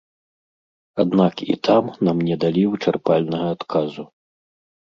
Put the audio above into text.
Аднак і там нам не далі вычарпальнага адказу.